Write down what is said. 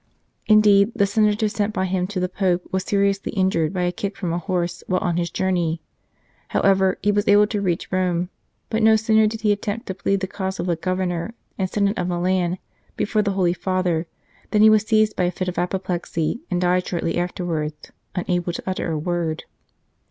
Indeed, the senator sent by him to the Pope was seriously injured by a kick from a horse while on his journey ; however, he was able to reach Rome, but no sooner did he attempt to plead the cause of the Governor and Senate of Milan before the Holy Father, than he was seized by a fit of apoplexy, and died shortly afterwards, unable to utter a word.